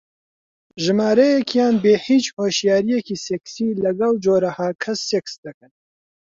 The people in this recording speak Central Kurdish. ژمارەیەکیان بێ هیچ هۆشیارییەکی سێکسی لەگەڵ جۆرەها کەس سێکس دەکەن